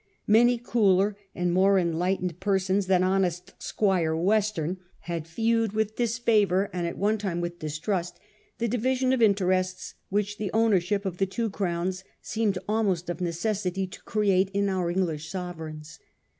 Many cooler and more enlightened persons than honest Squire Western had viewed with 1837. THE DUKE OF CUMBERLAND. 17 disfavour, and at one time with distrust, the division of interests which the ownership of the two crowns seemed almost of necessity to create in our English sovereigns.